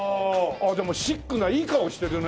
でもシックないい顔をしてるね。